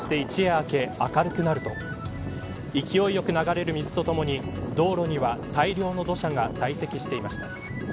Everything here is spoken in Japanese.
明け明るくなると勢いよく流れる水とともに道路には大量の土砂が堆積していました。